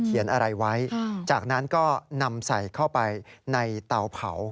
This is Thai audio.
อะไรไว้จากนั้นก็นำใส่เข้าไปในเตาเผา